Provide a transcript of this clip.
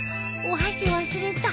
お箸忘れた。